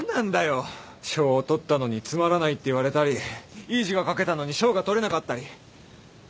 賞を取ったのにつまらないって言われたりいい字が書けたのに賞が取れなかったり。